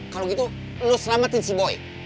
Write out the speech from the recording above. kalau gitu lo selamatin si boy